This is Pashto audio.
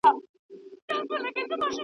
هره 'ي' خپل ځای لري.